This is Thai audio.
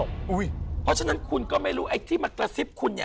เพราะฉะนั้นคุณก็ไม่รู้ไอ้ที่มากระซิบคุณ